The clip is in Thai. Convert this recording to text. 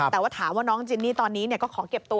แต่ว่าถามว่าน้องจินนี่ตอนนี้ก็ขอเก็บตัว